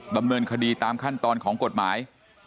ดำเนินคดีตามขั้นตอนของกฎหมาย